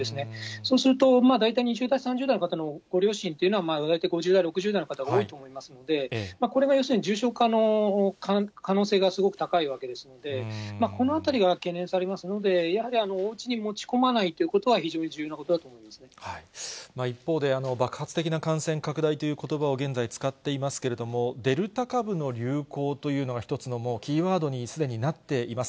そうすると大体２０代、３０代の方のご両親というのは、大体５０代、６０代の方が多いと思いますので、これが要するに、重症化の可能性がすごく高いわけですので、このあたりが懸念されますので、やはり、おうちに持ち込まないということは、非常に重要なことだと思いま一方で、爆発的な感染拡大ということばを現在、使っていますけれども、デルタ株の流行というのが、一つのキーワードに、すでになっています。